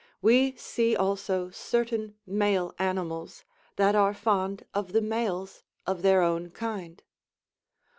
We see also certain male animals that are fond of the males of their own kind.